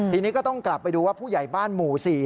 ทีนี้ก็ต้องกลับไปดูว่าผู้ใหญ่บ้านหมู่๔